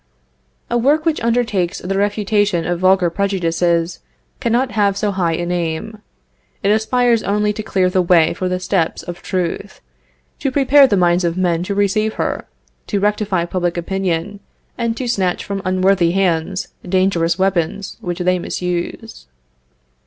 A work which undertakes the refutation of vulgar prejudices, cannot have so high an aim. It aspires only to clear the way for the steps of Truth; to prepare the minds of men to receive her; to rectify public opinion, and to snatch from unworthy hands dangerous weapons which they misuse.